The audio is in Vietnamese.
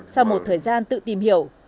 sau một thời gian tự tìm hiểu